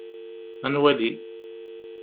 Ad nwali.